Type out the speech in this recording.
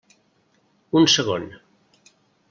Un segon.